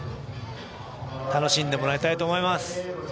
楽しんでもらいたいと思います。